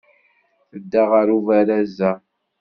Tedda ɣer ubaraz-a?